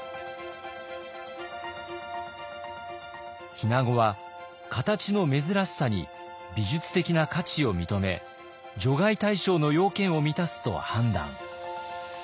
日名子は形の珍しさに美術的な価値を認め除外対象の要件を満たすと判断。